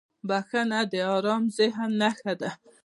• بخښنه د آرام ذهن نښه ده.